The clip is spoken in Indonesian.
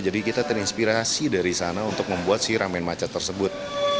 jadi kita terinspirasi dari sana untuk membuat si ramen macet tersebut